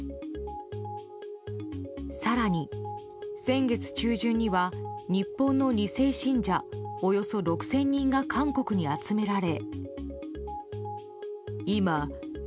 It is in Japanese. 更に、先月中旬には日本の２世信者およそ６０００人が韓国に集められ。